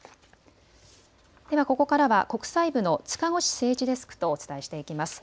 では、ここからは国際部の塚越靖一デスクとお伝えしていきます。